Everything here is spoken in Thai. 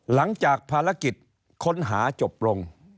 หลังจากภารกิจค้นหาจบลง